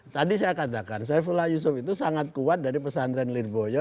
tadi saya katakan saifullah yusuf itu sangat kuat dari pesantren lirboyo